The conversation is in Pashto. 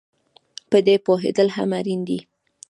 په دې پوهېدل هم اړین دي